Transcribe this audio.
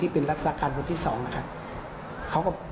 เป็นรักษาการคนที่๒นะครับ